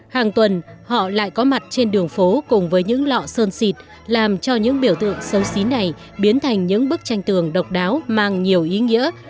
hàng tuần họ lại có mặt trên đường phố cùng với những lọ sơn xịt làm cho những biểu tượng xấu xí này biến thành những bức tranh tường độc đáo mang nhiều ý nghĩa